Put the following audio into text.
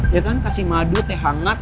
ya kan kasih madu teh hangat